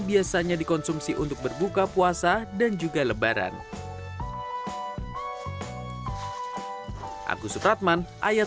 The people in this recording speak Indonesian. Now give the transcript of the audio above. biasanya dikonsumsi untuk berbuka puasa dan juga lebaran